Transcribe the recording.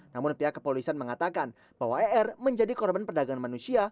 namun pihak kepolisian mengatakan bahwa er menjadi korban perdagangan manusia